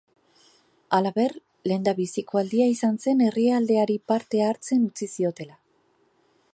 Halaber, lehendabiziko aldia izan zen herrialdeari parte hartzen utzi ziotela.